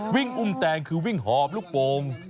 อุ้มแตงคือวิ่งหอบลูกโป่ง